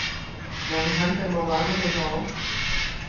แม่ของฉันเป็นเบาหวานประเภทสอง